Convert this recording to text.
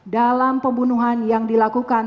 dalam pembunuhan yang dijalankan